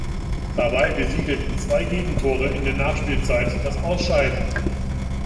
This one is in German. Dabei besiegelten zwei Gegentore in der Nachspielzeit das Ausscheiden.